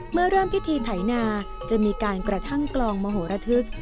เมื่อเริ่มพิธีไถนาจะมีการกระทั่งกลองมโหระทึก